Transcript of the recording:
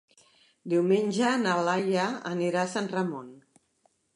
Diumenge na Laia anirà a Sant Ramon.